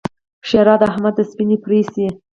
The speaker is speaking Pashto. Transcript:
ښېرا: د احمد دې سپينې پرې شي!